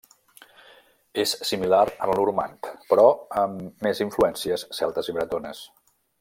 És similar al normand, però amb més influències celtes i bretones.